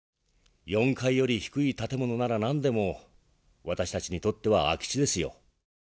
４階より低い建物なら何でも私たちにとっては空き地ですよ。